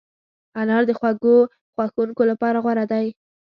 انار د خوږو خوښونکو لپاره غوره دی.